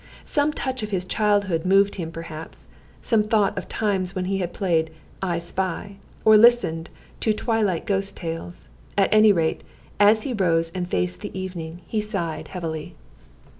Some touch of his childhood moved him perhaps, some thought of times when he played "I spy," or listened to twilight ghost tales; at any rate, as he rose and faced the evening, he sighed heavily.